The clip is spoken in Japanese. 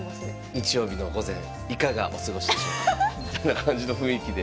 日曜日の午前いかがお過ごしでしょうかみたいな感じの雰囲気で。